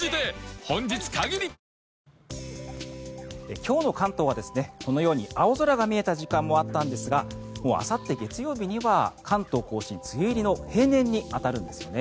今日の関東はこのように青空が見えた時間もあったんですがあさって月曜日には関東・甲信梅雨入りの平年に当たるんですね。